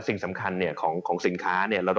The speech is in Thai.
สิ่งสำคัญของสินค้าเนี่ย